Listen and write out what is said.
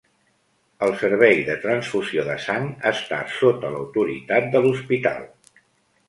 El servei de transfusió de sang està sota l'autoritat de l'hospital.